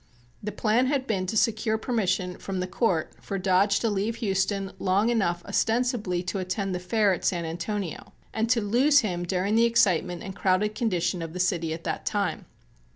The plan had been to secure permission from the Court for Dodge to leave Houston long enough ostensibly to attend the Fair at San Antonio and to "lose" him during the excitement and crowded condition of the city at that time.